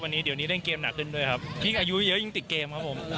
วันนี้เดี๋ยวนี้เล่นเกมหนักขึ้นด้วยครับยิ่งอายุเยอะยิ่งติดเกมครับผม